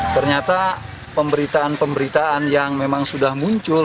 ternyata pemberitaan pemberitaan yang memang sudah muncul